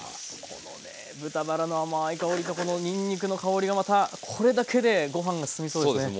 このね豚バラの甘い香りとこのにんにくの香りがまたこれだけでご飯が進みそうですね。